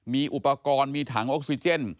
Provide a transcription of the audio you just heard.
มีอุปกรณ์มีถังออกซิเจน